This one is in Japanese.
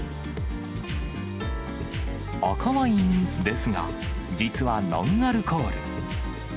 赤ワインですが、実はノンアルコール。